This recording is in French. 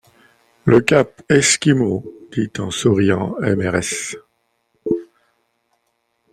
Le cap Esquimau ! dit en souriant Mrs.